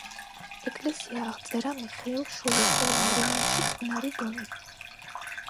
ეკლესია აღწერა მიხეილ შოლოხოვმა რომანში „წყნარი დონი“.